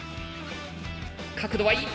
角度はいい。